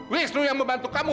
wisnu yang membantu kamu